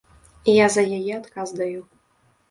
Я за яе адказ даю.